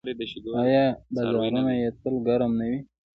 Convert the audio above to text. آیا بازارونه یې تل ګرم نه وي؟